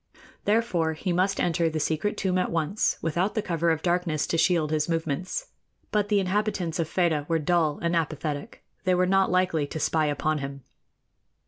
Therefore, he must enter the secret tomb at once, without the cover of darkness to shield his movements; but the inhabitants of Fedah were dull and apathetic they were not likely to spy upon him.